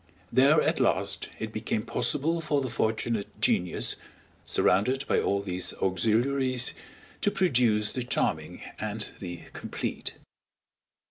There at last it became possible for the fortunate genius, surrounded by all these auxiliaries, to produce the charming and the complete.